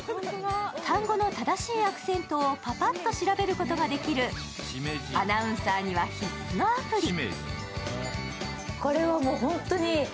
単語の正しいアクセントをパパッと調べることができるアナウンサーには必須のアプリ。